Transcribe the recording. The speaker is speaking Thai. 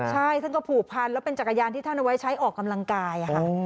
ใช่ท่านก็ผูกพันแล้วเป็นจักรยานที่ท่านเอาไว้ใช้ออกกำลังกายค่ะ